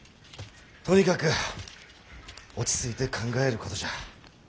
とにかく落ち着いて考えることじゃ。